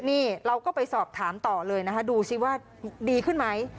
นี่เราก็ไปสอบถามต่อเลยนะคะดูสิว่าดีขึ้นไหม